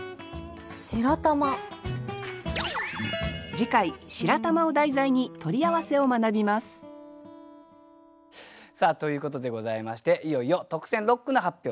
次回「白玉」を題材に「取り合わせ」を学びますさあということでございましていよいよ特選六句の発表です。